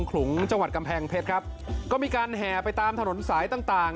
ขลุงจังหวัดกำแพงเพชรครับก็มีการแห่ไปตามถนนสายต่างต่าง